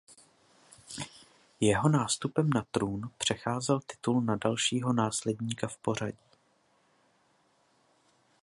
Jeho nástupem na trůn přecházel titul na dalšího následníka v pořadí.